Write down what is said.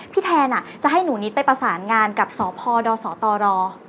แทนจะให้หนูนิดไปประสานงานกับสพดสตร